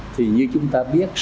thì như chúng ta biết